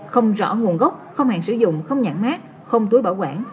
không rõ nguồn gốc không hạn sử dụng không nhãn mát không túi bảo quản